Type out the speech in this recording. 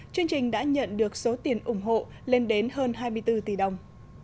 chương trình đã nhận được số tiền ủng hộ lên đến hơn hai mươi bốn tỷ đồng